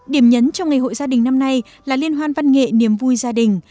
điểm nhấn trong ngày hội gia đình năm nay là liên hoan văn nghệ niềm vui gia đình